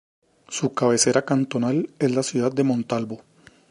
Su cabecera cantonal es la ciudad de Montalvo.